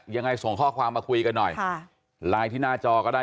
ยังไงส่งข้อความมาคุยกันหน่อยไลน์ที่หน้าจอก็ได้